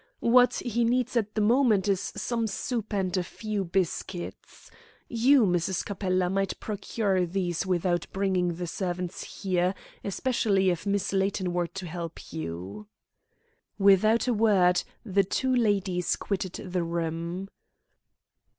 "What he needs at the moment is some soup and a few biscuits. You, Mrs. Capella, might procure these without bringing the servants here, especially if Miss Layton were to help you." Without a word, the two ladies quitted the room.